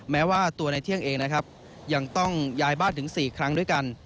แม้ว่าตัวในเที่ยงเองนะครับยังต้องย้ายบ้านถึง๔ครั้งด้วยกัน